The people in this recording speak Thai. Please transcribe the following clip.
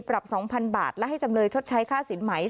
ปรับสองพันบาทและให้จำเลยชดใช้ค่าสินไหม